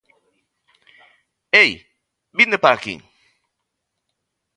Ei! Vinde para aquí!